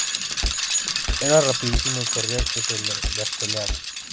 Era rapidísimo y corría que se las pelaba